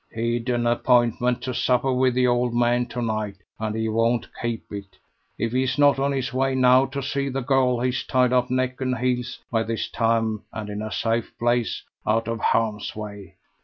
He'd an appointment to supper with the old man to night, and he won't keep it. If he's not on his way now to see the girl, he's tied up neck and heels, by this time, and in a safe place out of harm's way.